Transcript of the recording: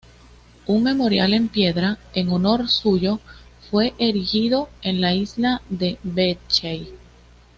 Un memorial en piedra en honor suyo fue erigido en la isla de Beechey.